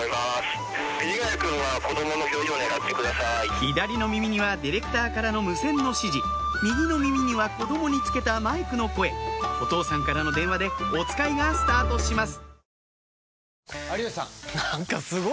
左の耳にはディレクターからの無線の指示右の耳には子供につけたマイクの声お父さんからの電話でおつかいがスタートします